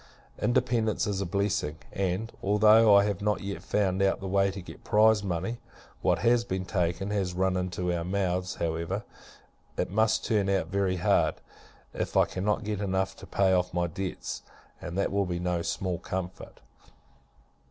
Independence is a blessing; and, although I have not yet found out the way to get prize money what has been taken, has run into our mouths however, it must turn out very hard, if I cannot get enough to pay off my debts, and that will be no small comfort.